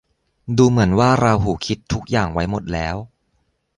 ดูเหมือนว่าราหูคิดทุกอย่างไว้หมดแล้ว